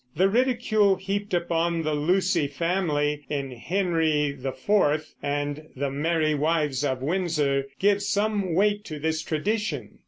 The ridicule heaped upon the Lucy family in Henry IV and the Merry Wives of Windsor gives some weight to this tradition.